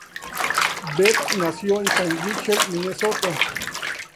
Betts nació en Saint Michael, Minnesota.